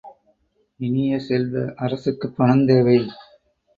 இனிய செல்வ, அரசுக்குப் பணம் தேவை.